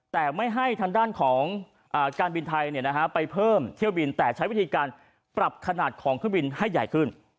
แต่ไม่ให้ทางด้านของการบินไทยไปเพิ่มเที่ยวบินแต่ใช้วิธีการปรับขนาดของเครื่องบินให้ใหญ่ขึ้น